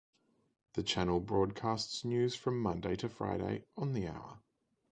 The channel broadcasts news from Monday to Friday on the hour.